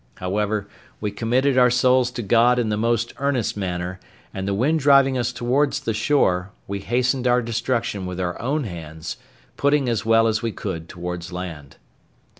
However, we committed our souls to God in the most earnest manner; and the wind driving us towards the shore, we hastened our destruction with our own hands, pulling as well as we could towards land.